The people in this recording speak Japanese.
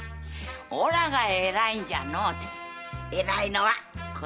おらが偉いんじゃのうて偉いのはこの源次じゃ！